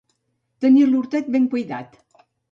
Tenir l'hortet ben cuidat.